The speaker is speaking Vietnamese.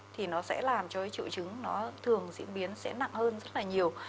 thì nó sẽ làm cho cái triệu chứng nó thường diễn biến sẽ nặng hơn rất là nhiều